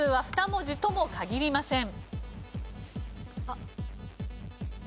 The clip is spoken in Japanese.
２文字とも限りません。